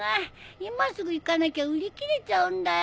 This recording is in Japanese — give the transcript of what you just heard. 今すぐ行かなきゃ売り切れちゃうんだよ。